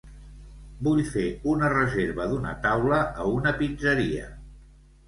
Vull fer una reserva d'una taula a una pizzeria.